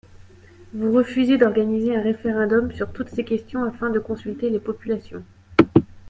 Vous refusez d’organiser un référendum sur toutes ces questions afin de consulter les populations.